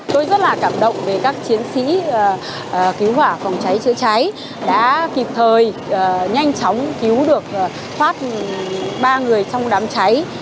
tôi rất là cảm động về các chiến sĩ cứu hỏa phòng cháy chữa cháy đã kịp thời nhanh chóng cứu được phát ba người trong đám cháy